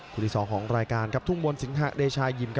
คุณที่สองของรายการทุ่งบนศรีนทราบเดชายม